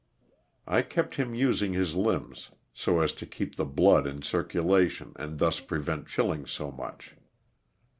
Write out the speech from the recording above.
I kept him using his limbs so as to keep the blood in cir culation and thus prevent chilling so much.